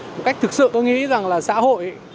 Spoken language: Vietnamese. một cách thực sự tôi nghĩ rằng là xã hội